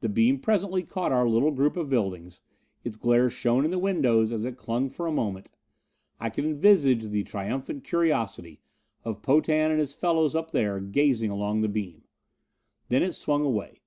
The beam presently caught our little group of buildings; its glare shone in the windows as it clung for a moment. I could envisage the triumphant curiosity, of Potan and his fellows up there, gazing along the beam. Then it swung away.